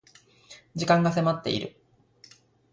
時間が迫っている